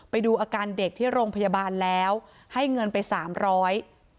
ไปดูอาการเด็กที่โรงพยาบาลแล้วให้เงินไปสามร้อย